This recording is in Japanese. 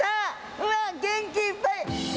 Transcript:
うわ、元気いっぱい。